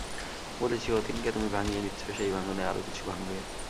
বলেছি, অতীনকে তুমি ভাঙিয়ে নিচ্ছ, সেই ভাঙনে আরও কিছু ভাঙবে।